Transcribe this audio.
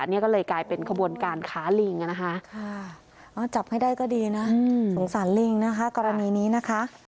นี่ก็เลยกลายเป็นขบวนการค้าลิงนะคะจับให้ได้ก็ดีนะสงสารลิงนะคะกรณีนี้นะคะ